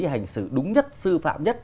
hành xử đúng nhất sư phạm nhất